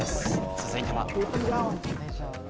続いては。